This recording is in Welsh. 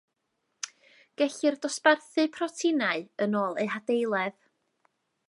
Gellir dosbarthu proteinau yn ôl eu hadeiledd